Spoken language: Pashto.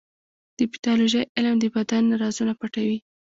د پیتالوژي علم د بدن رازونه پټوي.